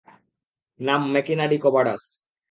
নাম ম্যাকিনা ডি কডাভাস।